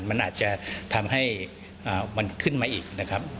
มันอาจจะทำให้มันขึ้นมาอีกนะครับ